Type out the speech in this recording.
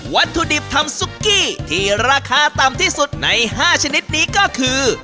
วัตถุดิบทำซุกกี้ที่ราคาต่ำที่สุดใน๕ชนิดนี้ก็คือ